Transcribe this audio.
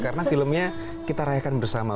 karena filmnya kita rayakan bersama